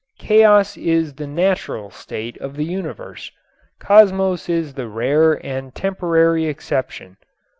Chaos is the "natural" state of the universe. Cosmos is the rare and temporary exception.